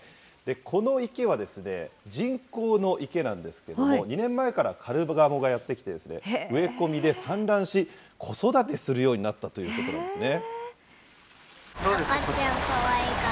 この池は、人工の池なんですけども、２年前からカルガモがやって来て、植え込みで産卵し、子育てするようになったということなんですね。